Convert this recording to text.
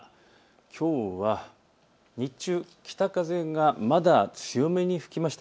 きょうは日中、北風がまだ強めに吹きました。